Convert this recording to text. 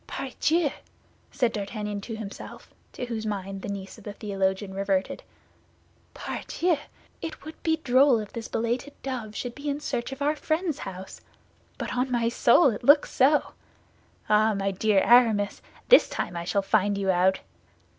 "Pardieu!" said D'Artagnan to himself, to whose mind the niece of the theologian reverted, "pardieu, it would be droll if this belated dove should be in search of our friend's house. But on my soul, it looks so. Ah, my dear Aramis, this time I shall find you out."